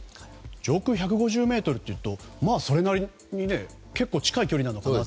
上空１５０ｍというとそれなりに結構近い距離なのかなと。